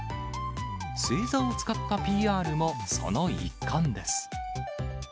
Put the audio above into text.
星座を使ったＰＲもその一環です。